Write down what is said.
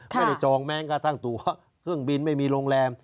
จองแม้งกระทั่งตัวเครื่องบินไม่มีโรงแรม